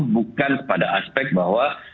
bukan pada aspek bahwa